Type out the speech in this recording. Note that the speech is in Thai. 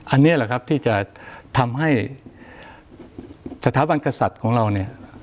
อันนี้แหละครับที่จะทำให้สถาบันกษัตริย์ของเราเนี่ย